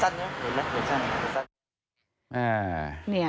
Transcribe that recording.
ใช่อ๋อสวนหน้าเลยเบื้องสั้นเนี่ย